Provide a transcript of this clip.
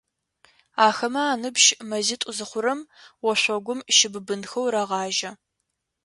Ахэмэ аныбжь мэзитӏу зыхъурэм, ошъогум щыбыбынхэу рагъажьэ.